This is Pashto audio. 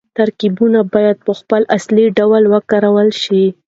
ترکيبونه بايد په خپل اصلي ډول وکارول شي.